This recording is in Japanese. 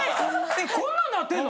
えっこんなんなってんの？